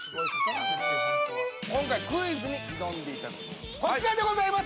◆今回、クイズに挑んでいただくのは、こちらでございます。